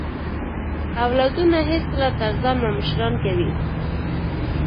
اولادونه هیڅکله تر ځان مه مشران کوئ